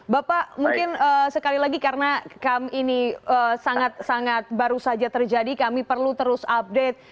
bapak mungkin sekali lagi karena ini sangat sangat baru saja terjadi kami perlu terus update